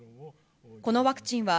このワクチンは、